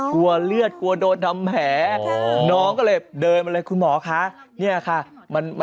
กลัวเลือดกลัวโดนทำแผลน้องก็เลยเดินมาเลยคุณหมอคะเนี่ยค่ะ